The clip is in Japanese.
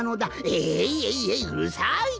「えいえいえいうるさい」と。